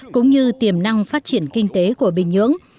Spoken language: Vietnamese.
cũng như tiềm năng phát triển kinh tế của bình nhưỡng